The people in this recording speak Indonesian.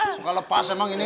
semoga lepas emang ini